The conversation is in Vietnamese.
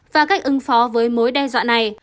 và cách ứng phó với mối đe dọa này